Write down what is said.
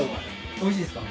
おいしいですか？